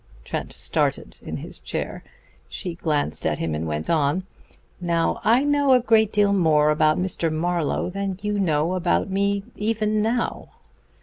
Trent started in his chair. She glanced at him, and went on: "Now I know a great deal more about Mr. Marlowe than you know about me even now.